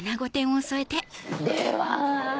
では。